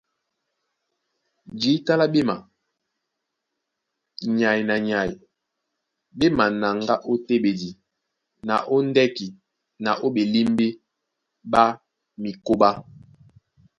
Jǐta lá ɓéma, nyay na nyay ɓé manaŋgá ó téɓedi na ó ndɛ́ki na ó ɓelímbí ɓá mikóɓá.